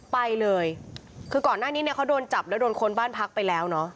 ไปเลยคือก่อนหน้านี้เนี่ยเขาโดนจับแล้วโดนค้นบ้านพักไปแล้วเนอะ